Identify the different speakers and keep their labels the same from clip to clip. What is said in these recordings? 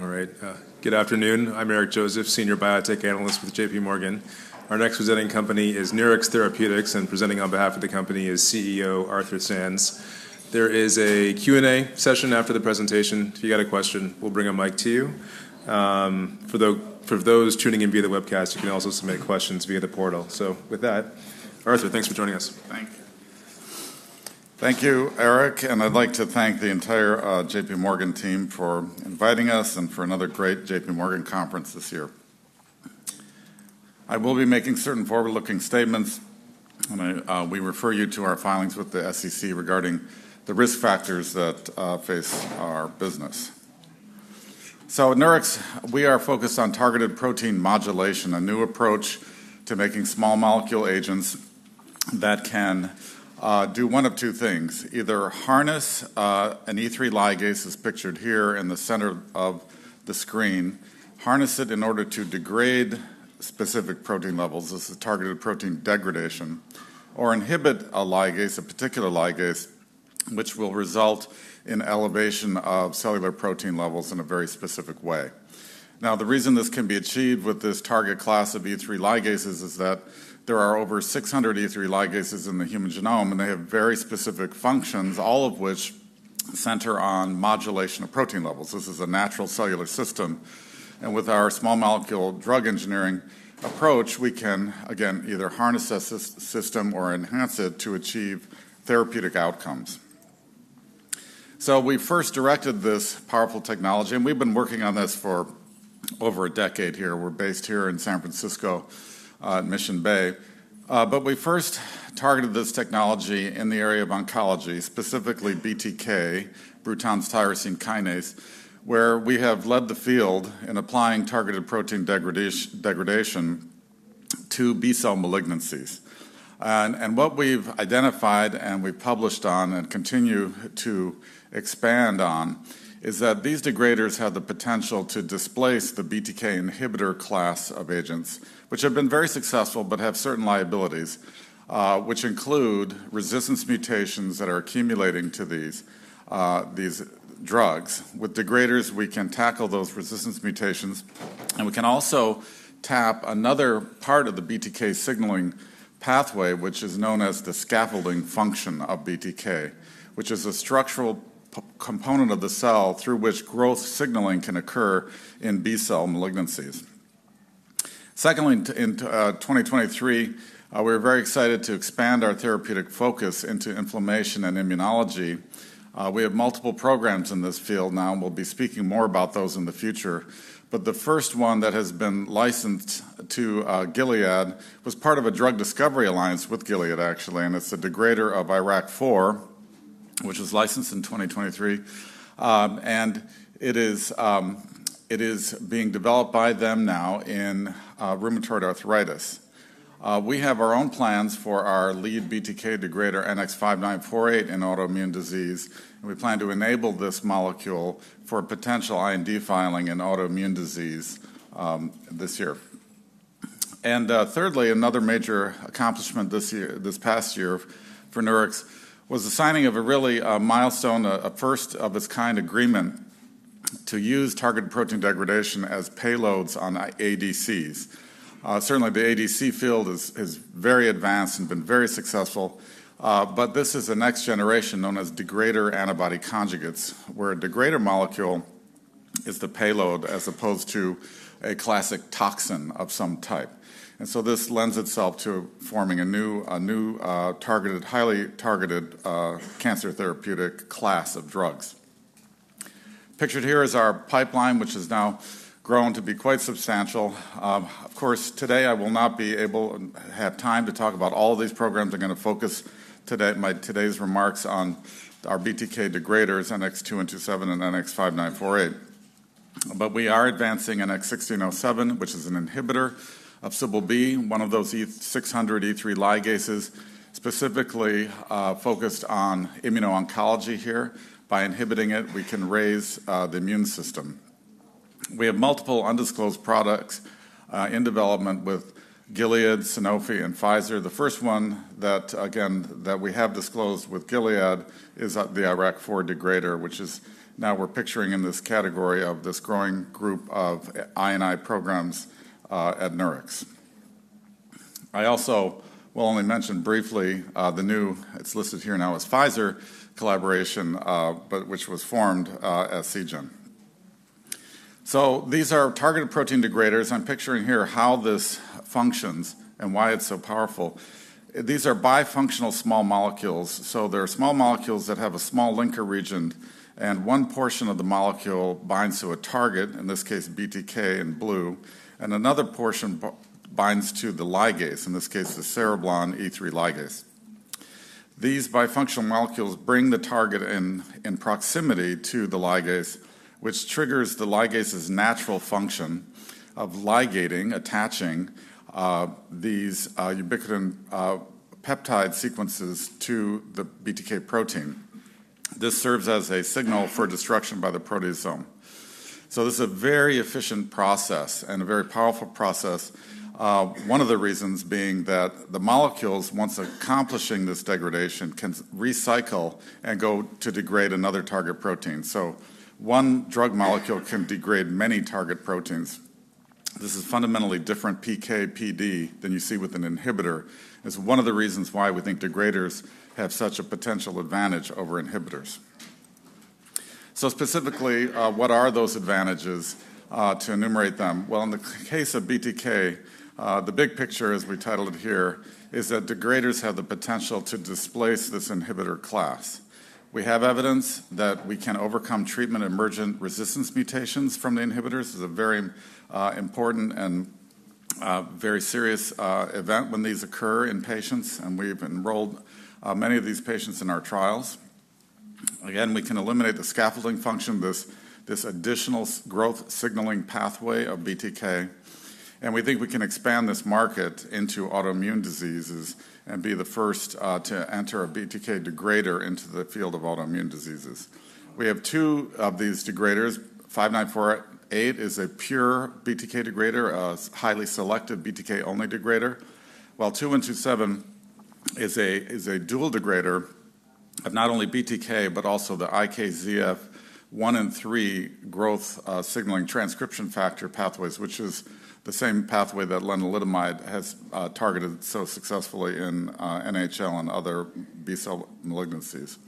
Speaker 1: All right, good afternoon. I'm Eric Joseph, Senior Biotech Analyst with JPMorgan. Our next presenting company is Nurix Therapeutics, and presenting on behalf of the company is CEO, Arthur Sands. There is a Q&A session after the presentation. If you got a question, we'll bring a mic to you. For those tuning in via the webcast, you can also submit questions via the portal. So with that, Arthur, thanks for joining us.
Speaker 2: Thank you. Thank you, Eric, and I'd like to thank the entire JPMorgan team for inviting us and for another great JPMorgan conference this year. I will be making certain forward-looking statements, and I, we refer you to our filings with the SEC regarding the risk factors that face our business. So at Nurix, we are focused on targeted protein modulation, a new approach to making small molecule agents that can do one of two things: either harness an E3 ligase, as pictured here in the center of the screen, harness it in order to degrade specific protein levels, this is targeted protein degradation, or inhibit a ligase, a particular ligase, which will result in elevation of cellular protein levels in a very specific way. Now, the reason this can be achieved with this target class of E3 ligases is that there are over 600 E3 ligases in the human genome, and they have very specific functions, all of which center on modulation of protein levels. This is a natural cellular system, and with our small molecule drug engineering approach, we can, again, either harness this system or enhance it to achieve therapeutic outcomes. So we first directed this powerful technology, and we've been working on this for over a decade here. We're based here in San Francisco at Mission Bay. But we first targeted this technology in the area of oncology, specifically BTK, Bruton's tyrosine kinase, where we have led the field in applying targeted protein degradation to B-cell malignancies. What we've identified and we've published on and continue to expand on is that these degraders have the potential to displace the BTK inhibitor class of agents, which have been very successful, but have certain liabilities, which include resistance mutations that are accumulating to these, these drugs. With degraders, we can tackle those resistance mutations, and we can also tap another part of the BTK signaling pathway, which is known as the scaffolding function of BTK, which is a structural component of the cell through which growth signaling can occur in B-cell malignancies. Secondly, in 2023, we were very excited to expand our therapeutic focus into inflammation and immunology. We have multiple programs in this field now, and we'll be speaking more about those in the future. But the first one that has been licensed to Gilead was part of a drug discovery alliance with Gilead, actually, and it's a degrader of IRAK4, which was licensed in 2023. And it is being developed by them now in rheumatoid arthritis. We have our own plans for our lead BTK degrader, NX-5948, in autoimmune disease, and we plan to enable this molecule for potential IND filing in autoimmune disease this year. And thirdly, another major accomplishment this year, this past year for Nurix was the signing of a really milestone, a first-of-its-kind agreement to use targeted protein degradation as payloads on ADCs. Certainly, the ADC field is very advanced and been very successful, but this is the next generation, known as degrader antibody conjugates, where a degrader molecule is the payload, as opposed to a classic toxin of some type. This lends itself to forming a new targeted, highly targeted cancer therapeutic class of drugs. Pictured here is our pipeline, which has now grown to be quite substantial. Of course, today I will not be able and have time to talk about all of these programs. I'm gonna focus today, my today's remarks on our BTK degraders, NX-2127 and NX-5948. But we are advancing NX-1607, which is an inhibitor of CBL-B, one of those over 600 E3 ligases, specifically focused on immuno-oncology here. By inhibiting it, we can raise the immune system. We have multiple undisclosed products in development with Gilead, Sanofi, and Pfizer. The first one that, again, that we have disclosed with Gilead is the IRAK4 degrader, which is now we're picturing in this category of this growing group of I&I programs at Nurix. I also will only mention briefly the new, it's listed here now as Pfizer collaboration, but which was formed at Seagen. So these are targeted protein degraders. I'm picturing here how this functions and why it's so powerful. These are bifunctional small molecules, so they're small molecules that have a small linker region, and one portion of the molecule binds to a target, in this case, BTK in blue, and another portion binds to the ligase, in this case, the cereblon E3 ligase. These bifunctional molecules bring the target in, in proximity to the ligase, which triggers the ligase's natural function of ligating, attaching these ubiquitin peptide sequences to the BTK protein. This serves as a signal for destruction by the proteasome. So this is a very efficient process and a very powerful process, one of the reasons being that the molecules, once accomplishing this degradation, can recycle and go to degrade another target protein. So one drug molecule can degrade many target proteins. This is fundamentally different PK/PD than you see with an inhibitor. It's one of the reasons why we think degraders have such a potential advantage over inhibitors. So specifically, what are those advantages, to enumerate them? Well, in the case of BTK, the big picture, as we titled it here, is that degraders have the potential to displace this inhibitor class. We have evidence that we can overcome treatment-emergent resistance mutations from the inhibitors. This is a very important and very serious event when these occur in patients, and we've enrolled many of these patients in our trials. Again, we can eliminate the scaffolding function, this additional growth signaling pathway of BTK, and we think we can expand this market into autoimmune diseases and be the first to enter a BTK degrader into the field of autoimmune diseases. We have two of these degraders. NX-5948 is a pure BTK degrader, a highly selective BTK-only degrader, while NX-2127 is a dual degrader of not only BTK but also the IKZF1 and IKZF3 growth signaling transcription factor pathways, which is the same pathway that lenalidomide has targeted so successfully in NHL and other B-cell malignancies.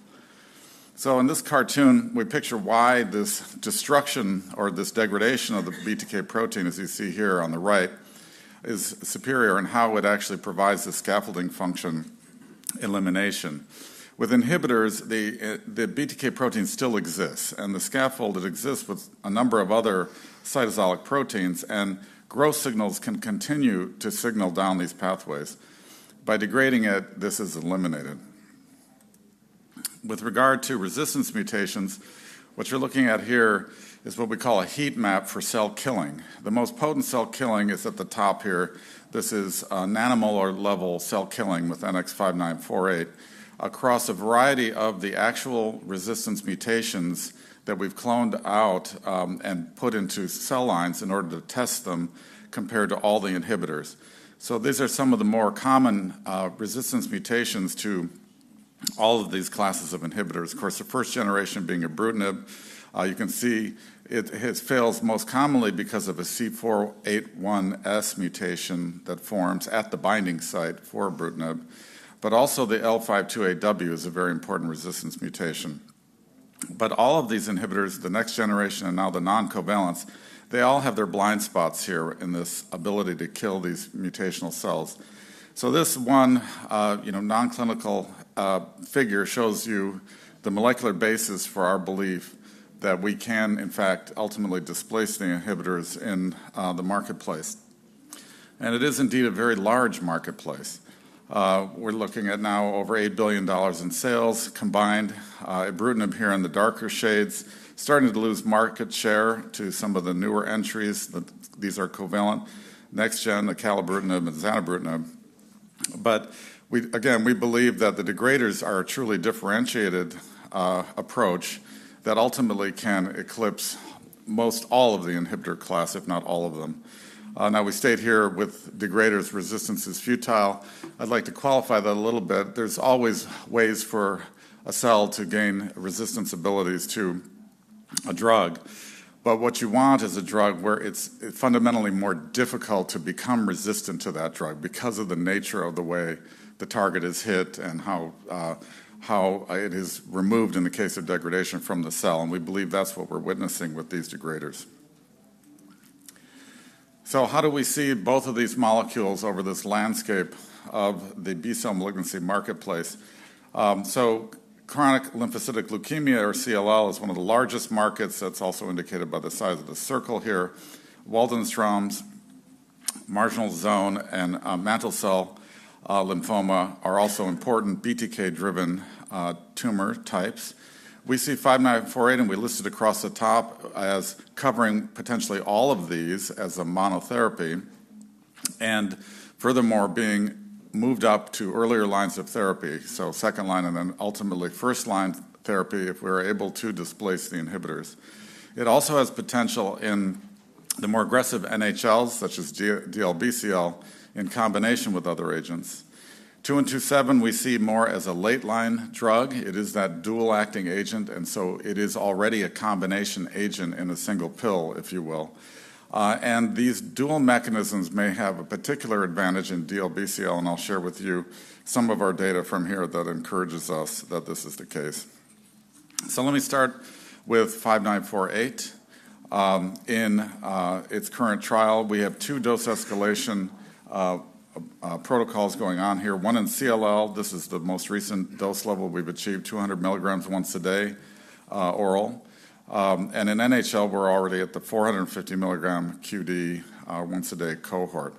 Speaker 2: So in this cartoon, we picture why this destruction or this degradation of the BTK protein, as you see here on the right, is superior and how it actually provides the scaffolding function elimination. With inhibitors, the BTK protein still exists, and the scaffold, it exists with a number of other cytosolic proteins, and growth signals can continue to signal down these pathways. By degrading it, this is eliminated. With regard to resistance mutations, what you're looking at here is what we call a heat map for cell killing. The most potent cell killing is at the top here. This is a nanomolar-level cell killing with NX-5948 across a variety of the actual resistance mutations that we've cloned out, and put into cell lines in order to test them compared to all the inhibitors. So these are some of the more common, resistance mutations to all of these classes of inhibitors. Of course, the first generation being ibrutinib, you can see it has failed most commonly because of a C481S mutation that forms at the binding site for ibrutinib, but also the L528W is a very important resistance mutation. But all of these inhibitors, the next generation and now the non-covalent, they all have their blind spots here in this ability to kill these mutational cells. So this one, you know, non-clinical figure shows you the molecular basis for our belief that we can, in fact, ultimately displace the inhibitors in the marketplace. And it is indeed a very large marketplace. We're looking at now over $8 billion in sales combined. Ibrutinib here in the darker shades, starting to lose market share to some of the newer entries. These are covalent, next gen, acalabrutinib, and zanubrutinib. But again, we believe that the degraders are a truly differentiated approach that ultimately can eclipse most all of the inhibitor class, if not all of them. Now, we state here with degraders, resistance is futile. I'd like to qualify that a little bit. There's always ways for a cell to gain resistance abilities to a drug. But what you want is a drug where it's, it fundamentally more difficult to become resistant to that drug because of the nature of the way the target is hit and how it is removed in the case of degradation from the cell, and we believe that's what we're witnessing with these degraders. So how do we see both of these molecules over this landscape of the B-cell malignancy marketplace? So chronic lymphocytic leukemia, or CLL, is one of the largest markets. That's also indicated by the size of the circle here. Waldenström's, marginal zone, and mantle cell lymphoma are also important BTK-driven tumor types. We see NX-5948, and we list it across the top as covering potentially all of these as a monotherapy, and furthermore, being moved up to earlier lines of therapy, so second line and then ultimately first-line therapy, if we're able to displace the inhibitors. It also has potential in the more aggressive NHLs, such as DLBCL, in combination with other agents. NX-2127, we see more as a late-line drug. It is that dual-acting agent, and so it is already a combination agent in a single pill, if you will. And these dual mechanisms may have a particular advantage in DLBCL, and I'll share with you some of our data from here that encourages us that this is the case. So let me start with NX-5948. In its current trial, we have two dose escalation protocols going on here, one in CLL. This is the most recent dose level. We've achieved 200 mg once a day, oral. And in NHL, we're already at the 450 mg QD once-a-day cohort.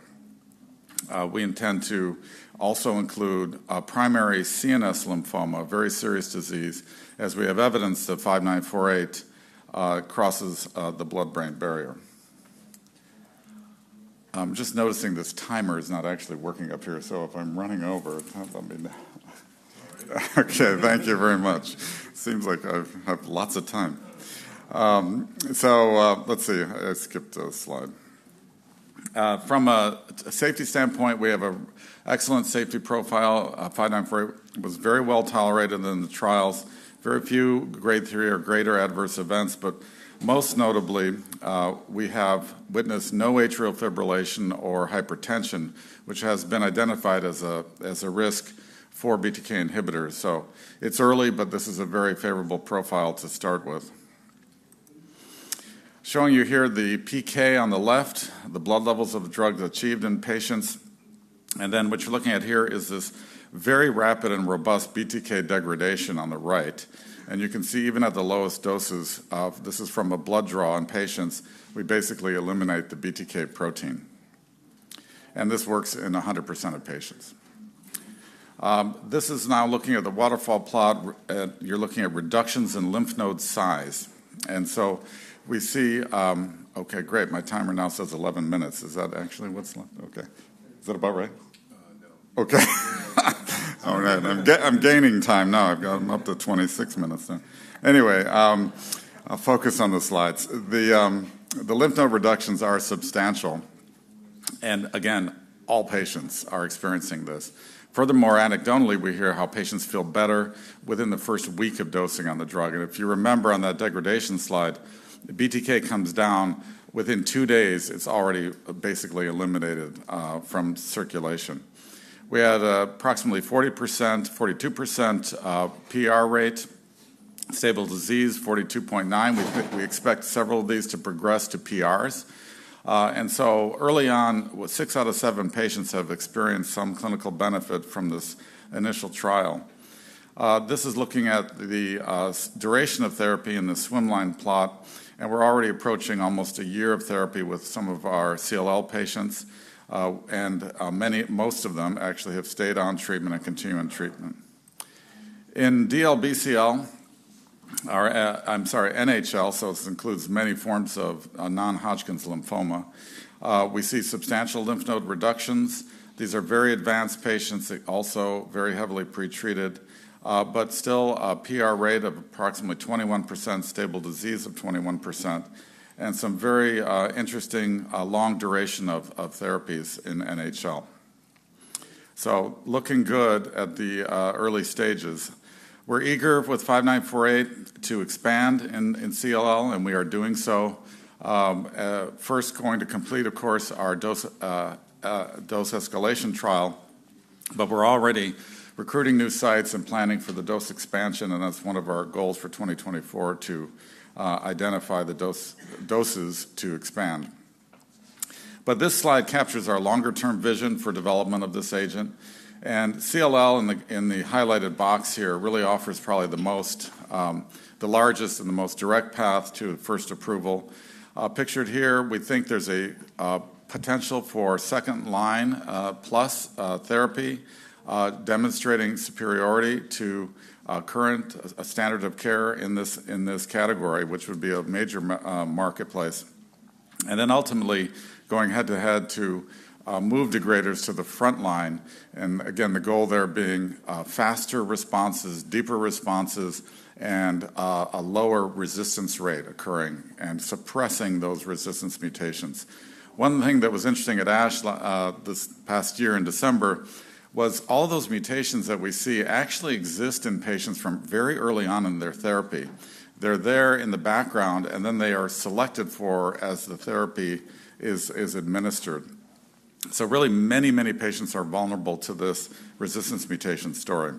Speaker 2: We intend to also include a primary CNS lymphoma, a very serious disease, as we have evidence that NX-5948 crosses the blood-brain barrier. I'm just noticing this timer is not actually working up here, so if I'm running over, I mean. Okay, thank you very much. Seems like I have lots of time. So, let's see. I skipped a slide. From a safety standpoint, we have an excellent safety profile. NX-5948 was very well tolerated in the trials. Very few Grade three or greater adverse events, but most notably, we have witnessed no atrial fibrillation or hypertension, which has been identified as a risk for BTK inhibitors. So it's early, but this is a very favorable profile to start with. Showing you here the PK on the left, the blood levels of the drug achieved in patients, and then what you're looking at here is this very rapid and robust BTK degradation on the right, and you can see even at the lowest doses of this is from a blood draw in patients, we basically eliminate the BTK protein, and this works in 100% of patients. This is now looking at the waterfall plot. You're looking at reductions in lymph node size, and so we see. Okay, great. My timer now says 11 minutes. Is that actually what's left? Okay. Is that about right? No. Okay. All right. I'm gaining time now. I've got them up to 26 minutes then. Anyway, I'll focus on the slides. The lymph node reductions are substantial, and again, all patients are experiencing this. Furthermore, anecdotally, we hear how patients feel better within the first week of dosing on the drug, and if you remember on that degradation slide, BTK comes down. Within two days, it's already basically eliminated from circulation. We had approximately 40%, 42% PR rate, stable disease, 42.9. We expect several of these to progress to PRs. And so early on, six out of seven patients have experienced some clinical benefit from this initial trial. This is looking at the duration of therapy in the swimline plot, and we're already approaching almost a year of therapy with some of our CLL patients, and most of them actually have stayed on treatment and continue in treatment. In DLBCL, or, I'm sorry, NHL, so this includes many forms of non-Hodgkin lymphoma, we see substantial lymph node reductions. These are very advanced patients, also very heavily pretreated, but still, a PR rate of approximately 21%, stable disease of 21%, and some very interesting long duration of therapies in NHL. So looking good at the early stages. We're eager with NX-5948 to expand in CLL, and we are doing so. First going to complete, of course, our dose dose escalation trial, but we're already recruiting new sites and planning for the dose expansion, and that's one of our goals for 2024, identify the doses to expand. But this slide captures our longer-term vision for development of this agent, and CLL in the, in the highlighted box here, really offers probably the most, the largest and the most direct path to first approval. Pictured here, we think there's a potential for second-line, therapy, demonstrating superiority to a current, a standard of care in this, in this category, which would be a major marketplace. And then ultimately going head-to-head to, move degraders to the frontline. And again, the goal there being faster responses, deeper responses, and a lower resistance rate occurring and suppressing those resistance mutations. One thing that was interesting at ASH last year in December was all those mutations that we see actually exist in patients from very early on in their therapy. They're there in the background, and then they are selected for as the therapy is administered. So really, many, many patients are vulnerable to this resistance mutation story.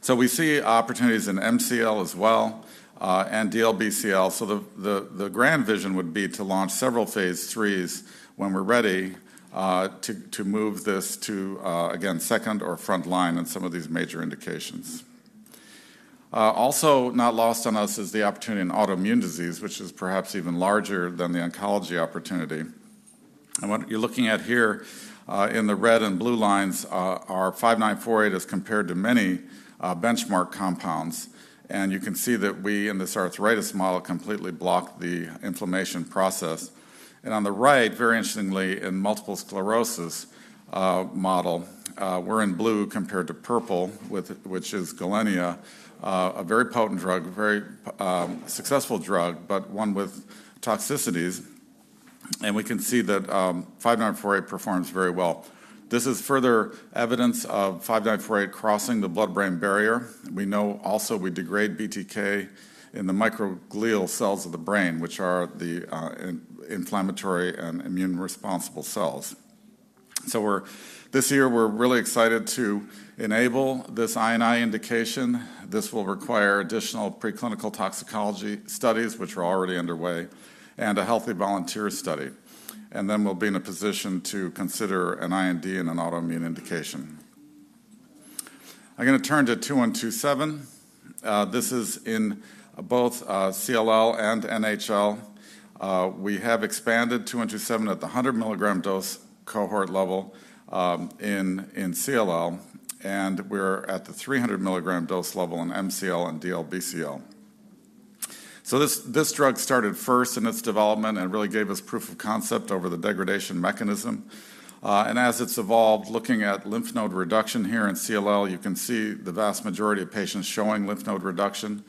Speaker 2: So we see opportunities in MCL as well, and DLBCL. So the grand vision would be to launch several phase III when we're ready to move this to again, second or frontline in some of these major indications. Also not lost on us is the opportunity in autoimmune disease, which is perhaps even larger than the oncology opportunity. What you're looking at here, in the red and blue lines, are NX-5948 as compared to many benchmark compounds, and you can see that we, in this arthritis model, completely block the inflammation process. On the right, very interestingly, in multiple sclerosis model, we're in blue compared to purple, which is Gilenya, a very potent drug, a very successful drug, but one with toxicities, and we can see that NX-5948 performs very well. This is further evidence of NX-5948 crossing the blood-brain barrier. We know also we degrade BTK in the microglial cells of the brain, which are the inflammatory and immune-responsible cells. This year, we're really excited to enable this IND indication. This will require additional preclinical toxicology studies, which are already underway, and a healthy volunteer study. Then we'll be in a position to consider an IND and an autoimmune indication. I'm gonna turn to NX-2127. This is in both CLL and NHL. We have expanded NX-2127 at the 100 mg dose cohort level in CLL, and we're at the 300 mg dose level in MCL and DLBCL. So this drug started first in its development and really gave us proof of concept over the degradation mechanism. And as it's evolved, looking at lymph node reduction here in CLL, you can see the vast majority of patients showing lymph node reduction,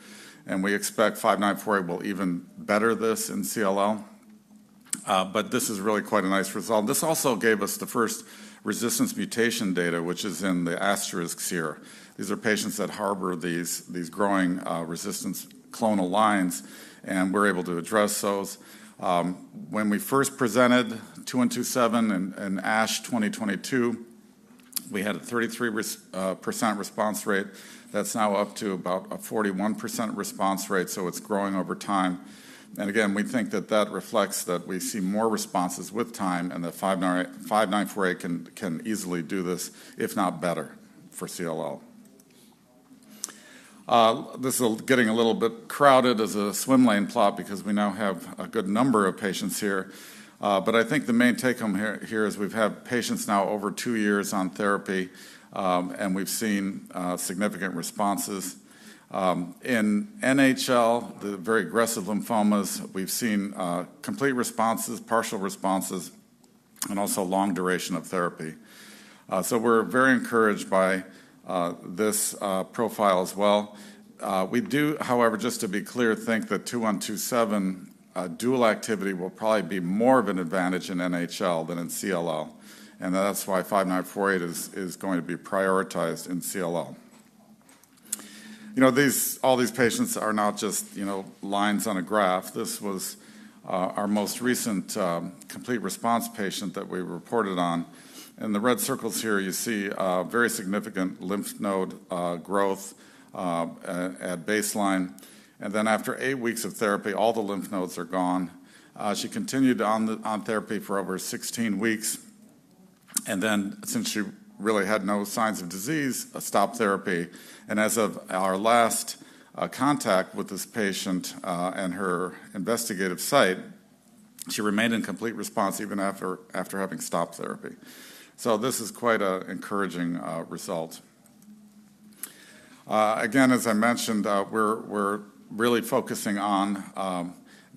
Speaker 2: and we expect NX-5948 will even better this in CLL. But this is really quite a nice result. This also gave us the first resistance mutation data, which is in the asterisks here. These are patients that harbor these growing resistance clonal lines, and we're able to address those. When we first presented NX-2127 in ASH 2022, we had a 33% response rate. That's now up to about a 41% response rate, so it's growing over time. And again, we think that that reflects that we see more responses with time, and that NX-5948 can easily do this, if not better, for CLL. This is getting a little bit crowded as a swim lane plot because we now have a good number of patients here. But I think the main take-home here is we've had patients now over two years on therapy, and we've seen significant responses. In NHL, the very aggressive lymphomas, we've seen complete responses, partial responses, and also long duration of therapy. So we're very encouraged by this profile as well. We do, however, just to be clear, think that 2127 dual activity will probably be more of an advantage in NHL than in CLL, and that's why 5948 is going to be prioritized in CLL. You know, these all these patients are not just, you know, lines on a graph. This was our most recent complete response patient that we reported on. In the red circles here, you see very significant lymph node growth at baseline, and then after eight weeks of therapy, all the lymph nodes are gone. She continued on therapy for over 16 weeks, and then since she really had no signs of disease, stopped therapy. As of our last contact with this patient and her investigative site, she remained in complete response even after having stopped therapy. This is quite an encouraging result. Again, as I mentioned, we're really focusing on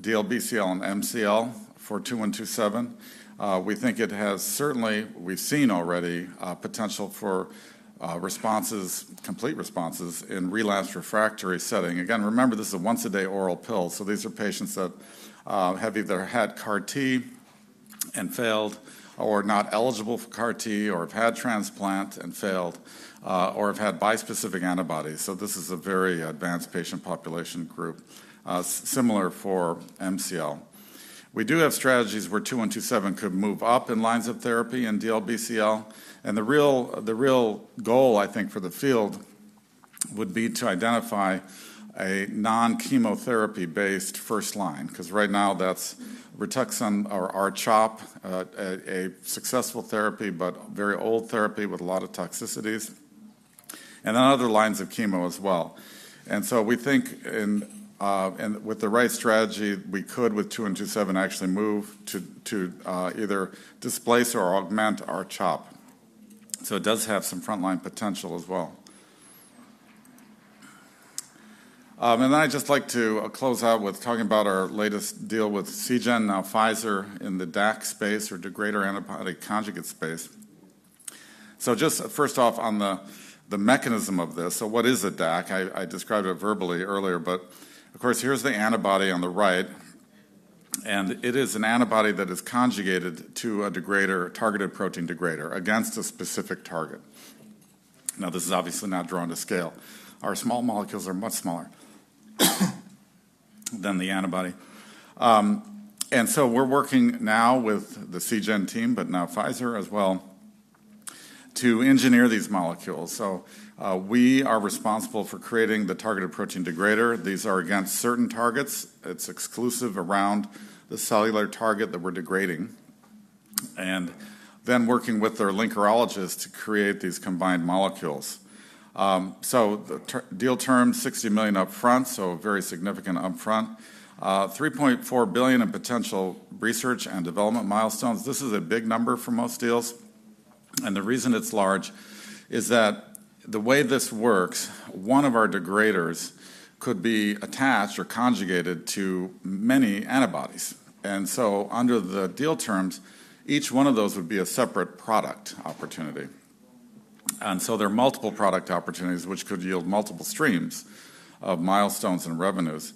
Speaker 2: DLBCL and MCL for 2127. We think it has certainly, we've seen already, potential for responses, complete responses in relapsed refractory setting. Again, remember, this is a once-a-day oral pill, so these are patients that have either had CAR T and failed, or are not eligible for CAR T, or have had transplant and failed, or have had bispecific antibodies. So this is a very advanced patient population group, similar for MCL. We do have strategies where 2127 could move up in lines of therapy in DLBCL, and the real, the real goal, I think, for the field would be to identify a non-chemotherapy-based first line, 'cause right now that's Rituxan or CHOP, a successful therapy, but very old therapy with a lot of toxicities, and then other lines of chemo as well. And so we think in, and with the right strategy, we could, with 2127, actually move to either displace or augment our CHOP. So it does have some frontline potential as well. And then I'd just like to close out with talking about our latest deal with Seagen, now Pfizer, in the DAC space or degrader antibody conjugate space. So just first off, on the mechanism of this, so what is a DAC? I described it verbally earlier, but of course, here's the antibody on the right, and it is an antibody that is conjugated to a degrader, a targeted protein degrader, against a specific target. Now, this is obviously not drawn to scale. Our small molecules are much smaller than the antibody. And so we're working now with the Seagen team, but now Pfizer as well, to engineer these molecules. So we are responsible for creating the targeted protein degrader. These are against certain targets. It's exclusive around the cellular target that we're degrading, and then working with their linkerologist to create these combined molecules. So the deal terms, $60 million upfront, so very significant upfront. $3.4 billion in potential research and development milestones. This is a big number for most deals, and the reason it's large is that the way this works, one of our degraders could be attached or conjugated to many antibodies. And so under the deal terms, each one of those would be a separate product opportunity. And so there are multiple product opportunities, which could yield multiple streams of milestones and revenues.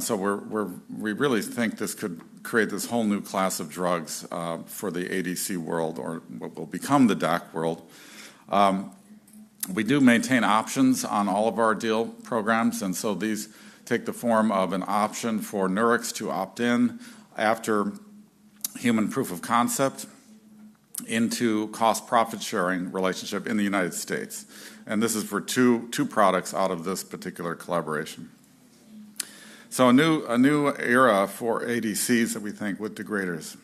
Speaker 2: So we really think this could create this whole new class of drugs, for the ADC world or what will become the DAC world. We do maintain options on all of our deal programs, and so these take the form of an option for Nurix to opt in after human proof of concept into cost-profit sharing relationship in the United States. And this is for two products out of this particular collaboration. So a new era for ADCs that we think with degraders.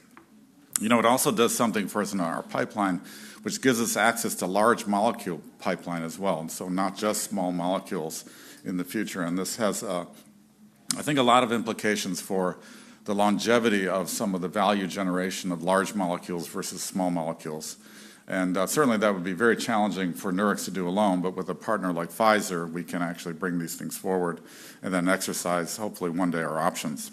Speaker 2: You know, it also does something for us in our pipeline, which gives us access to large molecule pipeline as well, and so not just small molecules in the future. And this has, I think, a lot of implications for the longevity of some of the value generation of large molecules versus small molecules. Certainly, that would be very challenging for Nurix to do alone, but with a partner like Pfizer, we can actually bring these things forward and then exercise, hopefully one day, our options.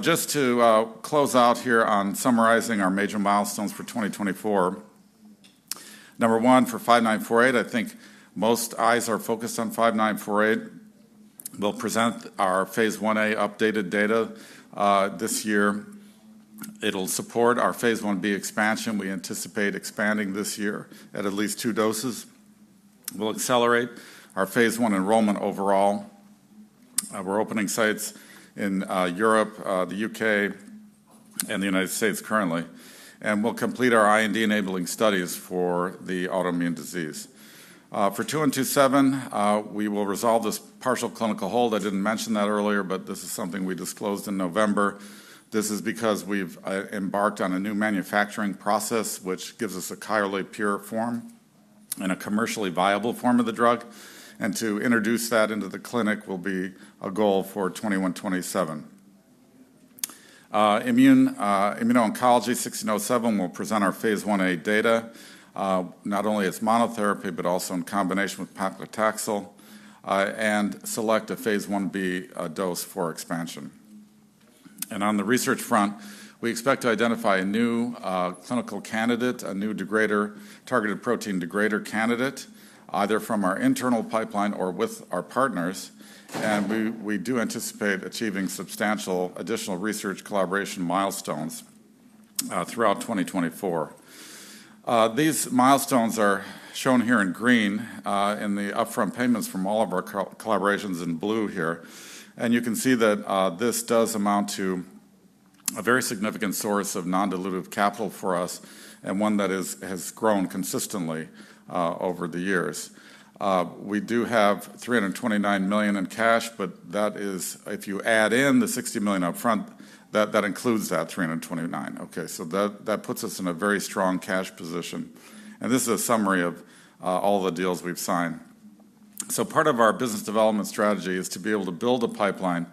Speaker 2: Just to close out here on summarizing our major milestones for 2024. Number one, for 5948, I think most eyes are focused on 5948. We'll present our phase I-A updated data this year. It'll support our phase I-B expansion. We anticipate expanding this year at least two doses. We'll accelerate our phase I enrollment overall. We're opening sites in Europe, the U.K., and the United States currently, and we'll complete our IND-enabling studies for the autoimmune disease. For 2127, we will resolve this partial clinical hold. I didn't mention that earlier, but this is something we disclosed in November. This is because we've embarked on a new manufacturing process, which gives us a chirally pure form and a commercially viable form of the drug, and to introduce that into the clinic will be a goal for 2027. NX-1607 will present our phase I-A data, not only as monotherapy, but also in combination with paclitaxel, and select a phase I-B dose for expansion. And on the research front, we expect to identify a new clinical candidate, a new degrader, targeted protein degrader candidate, either from our internal pipeline or with our partners, and we do anticipate achieving substantial additional research collaboration milestones throughout 2024. These milestones are shown here in green, and the upfront payments from all of our collaborations in blue here. And you can see that, this does amount to a very significant source of non-dilutive capital for us and one that has grown consistently over the years. We do have $329 million in cash, but that is. If you add in the $60 million upfront, that, that includes that $329 million, okay? So that, that puts us in a very strong cash position. And this is a summary of all the deals we've signed. So part of our business development strategy is to be able to build a pipeline,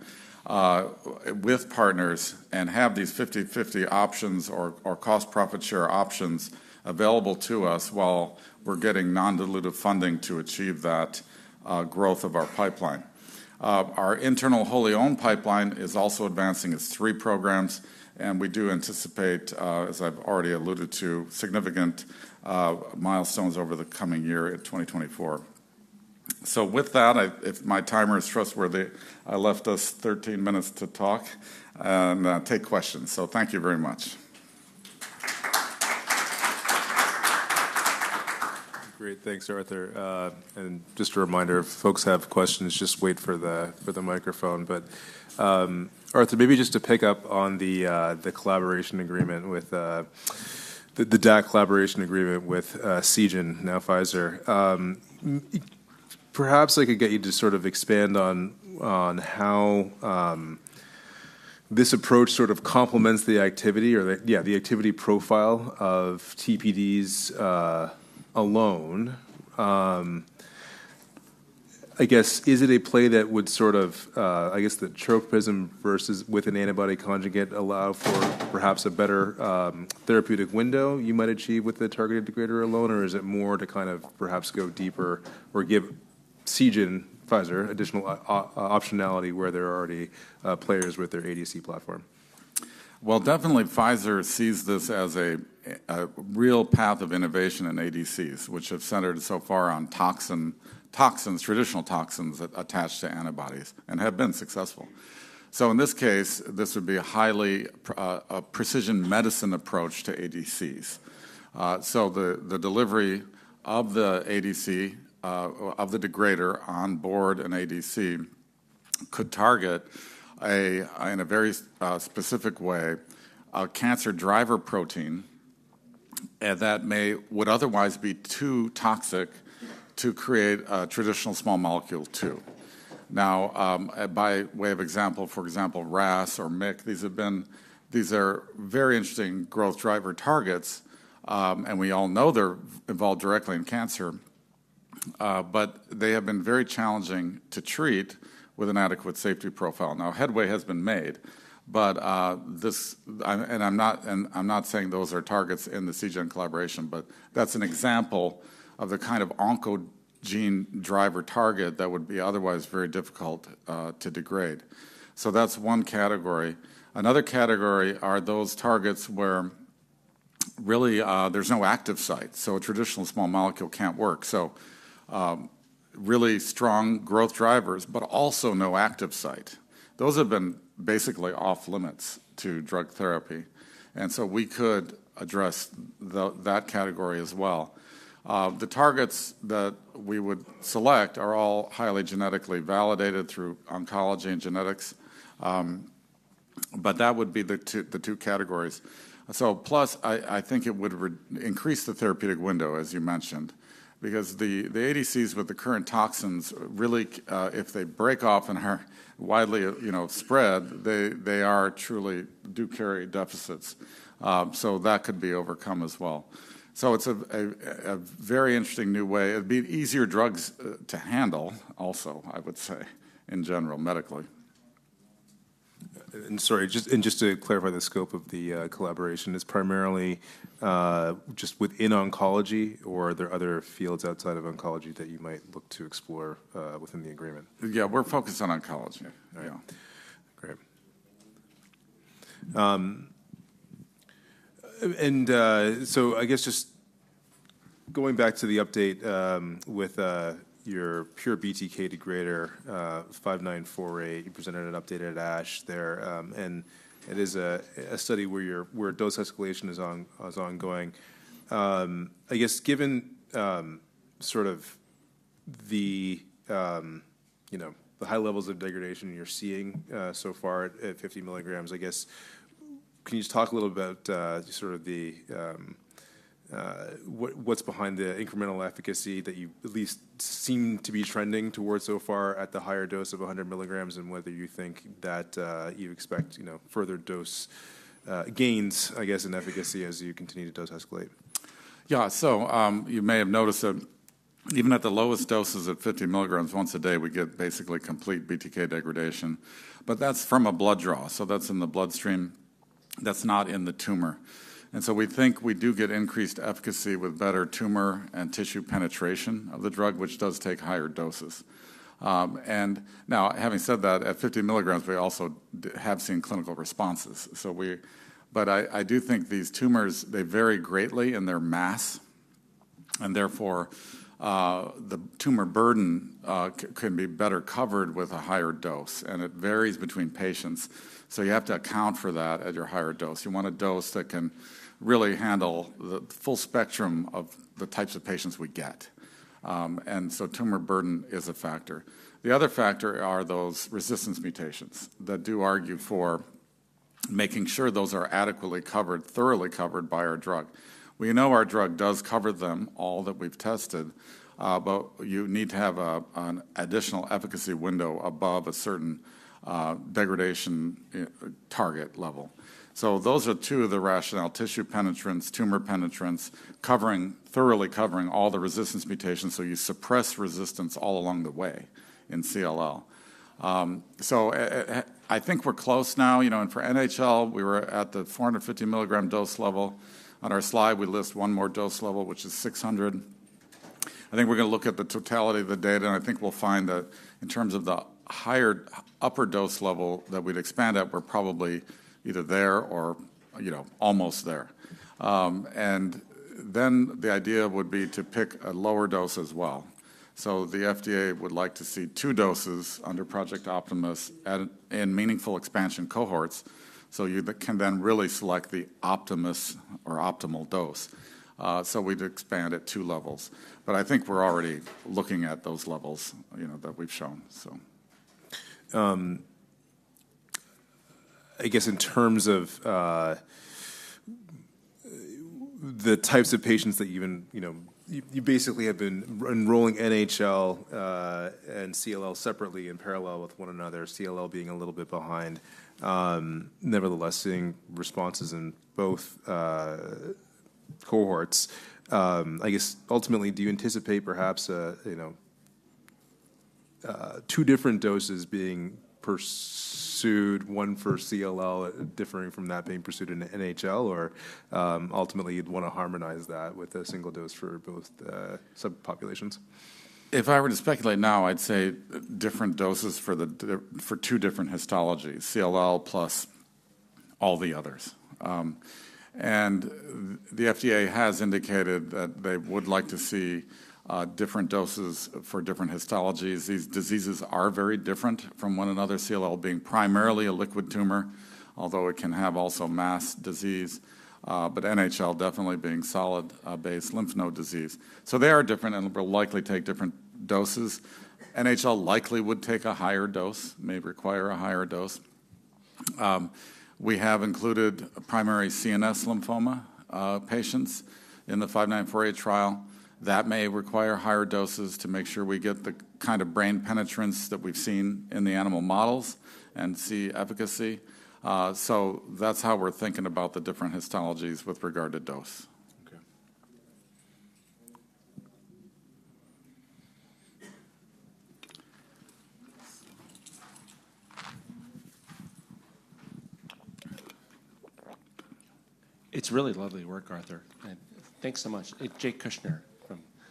Speaker 2: with partners and have these 50/50 options or, or cost profit share options available to us while we're getting non-dilutive funding to achieve that, growth of our pipeline. Our internal wholly owned pipeline is also advancing its three programs, and we do anticipate, as I've already alluded to, significant, milestones over the coming year in 2024. So with that, I, if my timer is trustworthy, I left us 13 minutes to talk and, take questions. So thank you very much.
Speaker 1: Great. Thanks, Arthur. And just a reminder, if folks have questions, just wait for the microphone. But, Arthur, maybe just to pick up on the collaboration agreement with the DAC collaboration agreement with Seagen, now Pfizer. Perhaps I could get you to sort of expand on how this approach sort of complements the activity or the, yeah, the activity profile of TPDs alone. I guess, is it a play that would sort of, I guess, the tropism versus with an antibody conjugate allow for perhaps a better therapeutic window you might achieve with the targeted degrader alone? Or is it more to kind of perhaps go deeper or give Seagen, Pfizer, additional optionality where there are already players with their ADC platform?
Speaker 2: Well, definitely, Pfizer sees this as a real path of innovation in ADCs, which have centered so far on toxins, traditional toxins that attach to antibodies and have been successful. So in this case, this would be a highly precision medicine approach to ADCs. So the delivery of the ADC, or of the degrader on board an ADC, could target in a very specific way a cancer driver protein that would otherwise be too toxic to create a traditional small molecule, too. Now, by way of example, for example, RAS or MYC, these are very interesting growth driver targets, and we all know they're involved directly in cancer, but they have been very challenging to treat with an adequate safety profile. Now, headway has been made, but I'm not saying those are targets in the Seagen collaboration, but that's an example of the kind of oncogene driver target that would be otherwise very difficult to degrade. So that's one category. Another category are those targets where really there's no active site, so a traditional small molecule can't work. So really strong growth drivers, but also no active site. Those have been basically off-limits to drug therapy, and so we could address that category as well. The targets that we would select are all highly genetically validated through oncology and genetics, but that would be the two categories. Plus, I think it would increase the therapeutic window, as you mentioned, because the ADCs with the current toxins really, if they break off and are widely, you know, spread, they are truly do carry deficits. So that could be overcome as well. So it's a very interesting new way. It'd be easier drugs to handle also, I would say, in general, medically.
Speaker 1: Sorry, just, and just to clarify, the scope of the collaboration is primarily just within oncology, or are there other fields outside of oncology that you might look to explore within the agreement?
Speaker 2: Yeah, we're focused on oncology.
Speaker 1: Yeah.
Speaker 2: Yeah.
Speaker 1: Great. So I guess just going back to the update with your pure BTK degrader NX-5948, you presented an update at ASH there. And it is a study where dose escalation is ongoing. I guess, given sort of the, you know, the high levels of degradation you're seeing so far at 50 mg, I guess, can you just talk a little about sort of the. What's behind the incremental efficacy that you at least seem to be trending towards so far at the higher dose of 100 mg? And whether you think that you expect, you know, further dose gains, I guess, in efficacy as you continue to dose escalate.
Speaker 2: Yeah. So, you may have noticed that even at the lowest doses of 50 mg once a day, we get basically complete BTK degradation, but that's from a blood draw, so that's in the bloodstream, that's not in the tumor. And so we think we do get increased efficacy with better tumor and tissue penetration of the drug, which does take higher doses. And now, having said that, at 50 mg, we also have seen clinical responses. But I do think these tumors, they vary greatly in their mass, and therefore, the tumor burden can be better covered with a higher dose, and it varies between patients. So you have to account for that at your higher dose. You want a dose that can really handle the full spectrum of the types of patients we get. And so tumor burden is a factor. The other factor are those resistance mutations that do argue for making sure those are adequately covered, thoroughly covered by our drug. We know our drug does cover them, all that we've tested, but you need to have a, an additional efficacy window above a certain, degradation target level. So those are two of the rationale: tissue penetrance, tumor penetrance, covering thoroughly covering all the resistance mutations, so you suppress resistance all along the way in CLL. So I think we're close now. You know, and for NHL, we were at the 450 mg dose level. On our slide, we list one more dose level, which is 600 mg. I think we're gonna look at the totality of the data, and I think we'll find that in terms of the higher upper dose level that we'd expand at, we're probably either there or, you know, almost there. And then the idea would be to pick a lower dose as well. So the FDA would like to see two doses under Project Optimus at in meaningful expansion cohorts, so you can then really select the Optimus or optimal dose. So we'd expand at two levels, but I think we're already looking at those levels, you know, that we've shown, so.
Speaker 1: I guess in terms of the types of patients that you've been, you know, you, you basically have been enrolling NHL and CLL separately in parallel with one another, CLL being a little bit behind, nevertheless, seeing responses in both cohorts. I guess, ultimately, do you anticipate perhaps, you know, two different doses being pursued, one for CLL, differing from that being pursued in NHL? Or, ultimately, you'd want to harmonize that with a single dose for both the subpopulations.
Speaker 2: If I were to speculate now, I'd say different doses for two different histologies, CLL plus all the others. And the FDA has indicated that they would like to see different doses for different histologies. These diseases are very different from one another, CLL being primarily a liquid tumor, although it can have also mass disease, but NHL definitely being solid base lymph node disease. So they are different and will likely take different doses. NHL likely would take a higher dose, may require a higher dose. We have included primary CNS lymphoma patients in the 5948 trial. That may require higher doses to make sure we get the kind of brain penetrance that we've seen in the animal models and see efficacy. So that's how we're thinking about the different histologies with regard to dose.
Speaker 1: Okay.
Speaker 3: It's really lovely work, Arthur, and thanks so much. It's Jake Kushner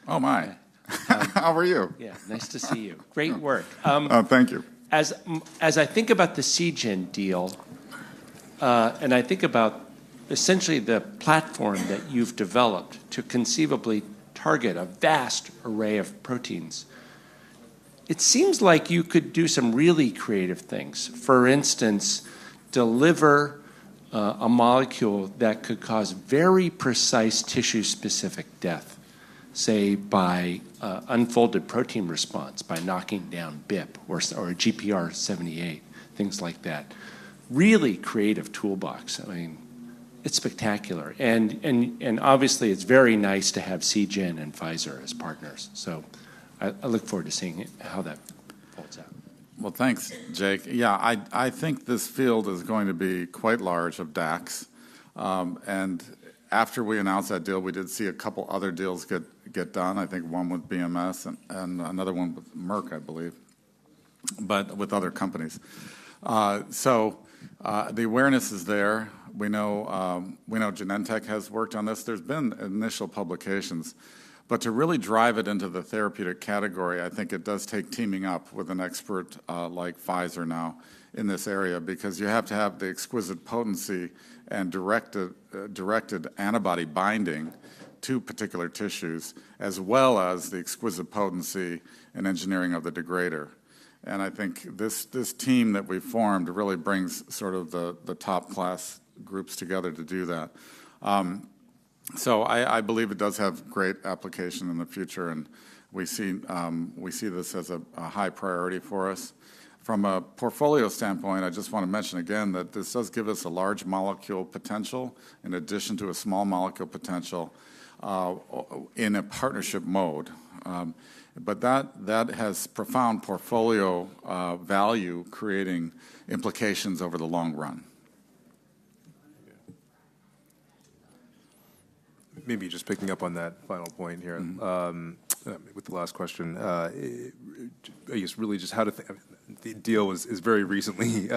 Speaker 3: from.
Speaker 2: Oh, my! How are you?
Speaker 3: Yeah, nice to see you. Great work,
Speaker 2: Thank you.
Speaker 3: As I think about the Seagen deal, and I think about essentially the platform that you've developed to conceivably target a vast array of proteins, it seems like you could do some really creative things. For instance, deliver a molecule that could cause very precise tissue-specific death, say, by unfolded protein response, by knocking down BiP or GPR78, things like that. Really creative toolbox. I mean, it's spectacular. And obviously, it's very nice to have Seagen and Pfizer as partners, so I look forward to seeing how that folds out.
Speaker 2: Well, thanks, Jake. Yeah, I think this field is going to be quite large of DACs. And after we announced that deal, we did see a couple other deals get done. I think one with BMS and another one with Merck, I believe, but with other companies. So, the awareness is there. We know Genentech has worked on this. There's been initial publications, but to really drive it into the therapeutic category, I think it does take teaming up with an expert like Pfizer now in this area, because you have to have the exquisite potency and directed antibody binding to particular tissues, as well as the exquisite potency and engineering of the degrader. And I think this team that we've formed really brings sort of the top class groups together to do that. So I believe it does have great application in the future, and we see this as a high priority for us. From a portfolio standpoint, I just wanna mention again that this does give us a large molecule potential in addition to a small molecule potential in a partnership mode. But that has profound portfolio value creating implications over the long run.
Speaker 1: Maybe just picking up on that final point here.
Speaker 2: Mm-hmm.
Speaker 1: with the last question. I guess really just how to think, the deal was, is very recently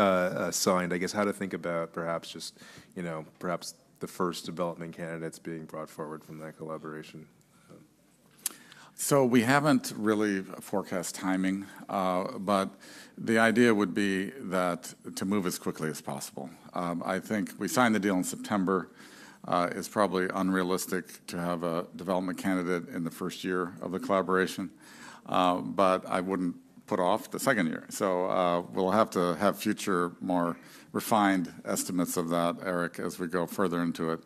Speaker 1: signed. I guess, how to think about perhaps just, you know, perhaps the first development candidates being brought forward from that collaboration?
Speaker 2: So we haven't really forecast timing, but the idea would be that to move as quickly as possible. I think we signed the deal in September. It's probably unrealistic to have a development candidate in the first year of the collaboration, but I wouldn't put off the second year. So, we'll have to have future, more refined estimates of that, Eric, as we go further into it.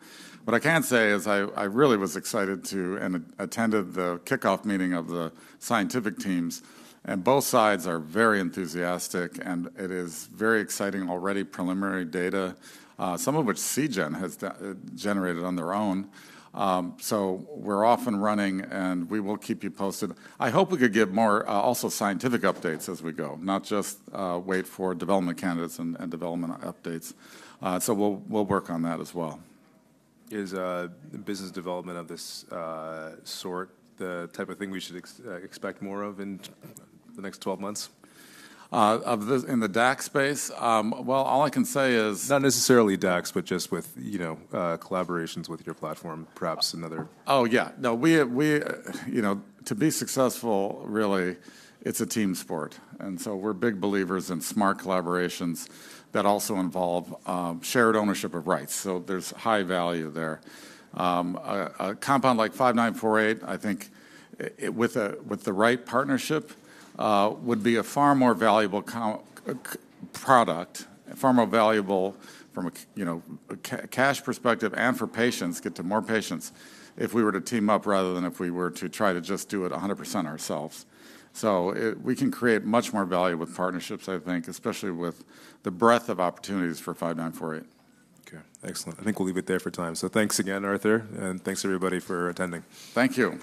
Speaker 2: What I can say is I really was excited to and attended the kickoff meeting of the scientific teams, and both sides are very enthusiastic, and it is very exciting. Already preliminary data, some of which Seagen has generated on their own. So we're off and running, and we will keep you posted. I hope we could give more, also scientific updates as we go, not just wait for development candidates and development updates. So we'll work on that as well.
Speaker 1: Is business development of this sort the type of thing we should expect more of in the next 12 months?
Speaker 2: Of this in the DAC space? Well, all I can say is.
Speaker 1: Not necessarily DACs, but just with, you know, collaborations with your platform, perhaps another.
Speaker 2: Oh, yeah. No, you know, to be successful, really, it's a team sport, and so we're big believers in smart collaborations that also involve shared ownership of rights, so there's high value there. A compound like five nine four eight, I think, with the right partnership, would be a far more valuable product, far more valuable from a cash perspective, and for patients, get to more patients, if we were to team up rather than if we were to try to just do it 100% ourselves. So, we can create much more value with partnerships, I think, especially with the breadth of opportunities for 5948.
Speaker 1: Okay, excellent. I think we'll leave it there for time. So thanks again, Arthur, and thanks everybody for attending.
Speaker 2: Thank you.